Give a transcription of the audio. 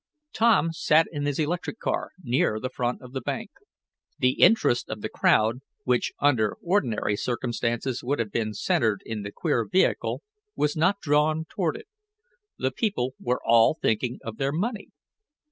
Tom sat in his electric car, near the front of the bank. The interest of the crowd, which under ordinary circumstances would have been centered in the queer vehicle, was not drawn toward it. The people were all thinking of their money.